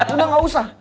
udah nggak usah